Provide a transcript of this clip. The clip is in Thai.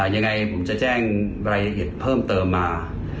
ยังไงผมจะแจ้งรายละเอียดเพิ่มเติมมา